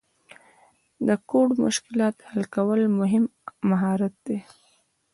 د کوډ مشکلات حل کول مهم مهارت دی.